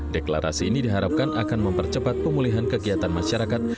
deklarasi ini diharapkan akan mempercepat pemulihan kegiatan masyarakat